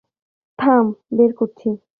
থাম, বের করছি।